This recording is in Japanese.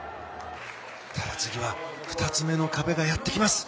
ただ次は２つ目の壁がやってきます。